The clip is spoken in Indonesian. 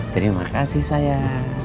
terima kasih sayang